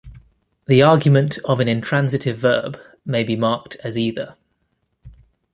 The argument of an intransitive verb may be marked as either.